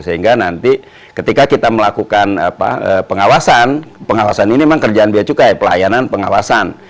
sehingga nanti ketika kita melakukan pengawasan pengawasan ini memang kerjaan biaya cukai pelayanan pengawasan